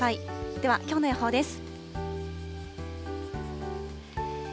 では、きょうの予報です。